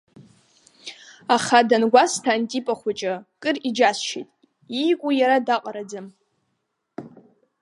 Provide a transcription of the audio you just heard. Аха, дангәасҭа Антипа хәыҷы, кыр иџьасшьеит, иику иара даҟараӡам.